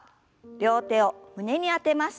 両手を胸に当てます。